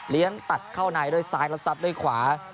เลี้ยงตัดเข้าในโดยซ้ายและสับโดยขวา